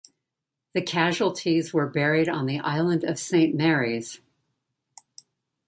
The casualties were buried on the island of Saint Mary's.